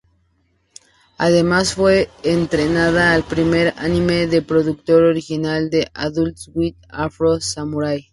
Además fue estrenada el primer anime de producción original de Adult Swim, "Afro Samurai".